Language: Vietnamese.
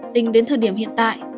tính đến thời điểm hiện tại